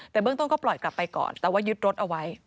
แต่เบื้องต้นก็ปล่อยกลับไปก่อนแต่ว่ายึดรถเอาไว้